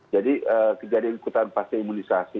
jadi kejadian ikutan pasca imunisasi